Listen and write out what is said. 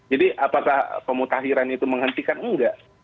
jadi apakah pemutahiran itu menghentikan enggak